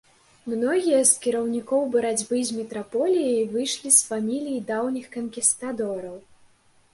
Многія з кіраўнікоў барацьбы з метраполіяй выйшлі з фамілій даўніх канкістадораў.